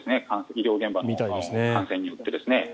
医療現場のほうも感染によってですね。